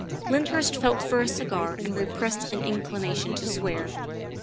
Lyndhurst felt for a cigar and repressed an inclina tion to swear.